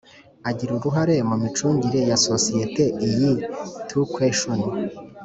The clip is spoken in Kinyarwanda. agira uruhare mu micungire ya sosiyete iyi to question